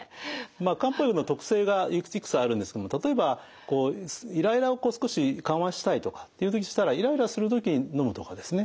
漢方薬の特性がいくつかあるんですけども例えばイライラを少し緩和したいとかっていう時でしたらイライラする時にのむとかですね。